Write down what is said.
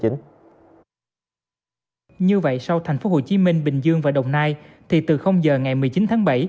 như vậy sau thành phố hồ chí minh bình dương và đồng nai thì từ giờ ngày một mươi chín tháng bảy